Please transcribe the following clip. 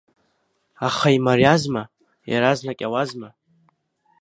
Аха имариазма, иаразнак иауазма…